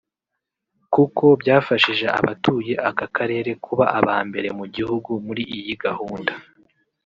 kuko byafashije abatuye aka karere kuba aba mbere mu gihugu muri iyi gahunda